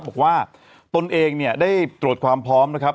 บอกว่าตนเองได้ตรวจความพร้อมนะครับ